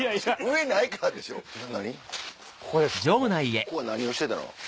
ここは何をしてたの？